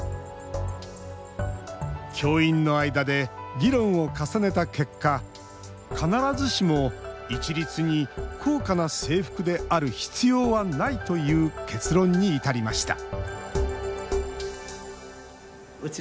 教員の間で議論を重ねた結果必ずしも一律に高価な制服である必要はないという結論に至りました